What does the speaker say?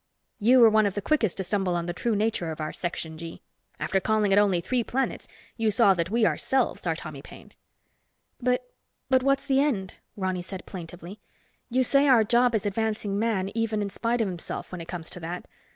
"You were one of the quickest to stumble on the true nature of our Section G. After calling at only three planets you saw that we ourselves are Tommy Paine." "But ... but what's the end?" Ronny said plaintively. "You say our job is advancing man, even in spite of himself when it comes to that.